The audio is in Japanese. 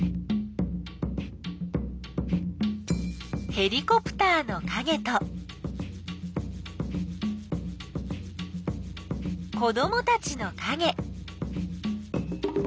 ヘリコプターのかげと子どもたちのかげ。